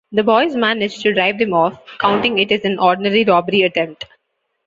The boys manage to drive them off, counting it as an ordinary robbery attempt.